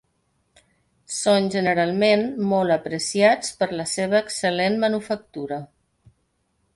Són generalment molt apreciats per la seva excel·lent manufactura.